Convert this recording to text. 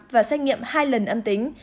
và xét nghiệm hai lần âm tính